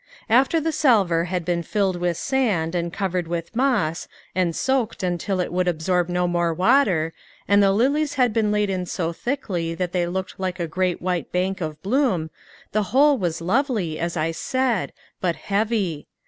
After the salver had been filled with sand, and covered with moss, and soaked until it would absorb no more water, and the lilies had been laid in so thickly that they looked like a great white bank of bloom, the whole was lovely, as I said, but heavy.